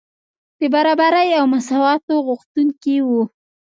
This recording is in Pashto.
د برابرۍ او مساواتو غوښتونکي وو.